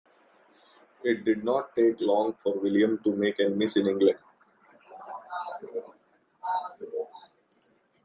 It did not take long for William to make enemies in England.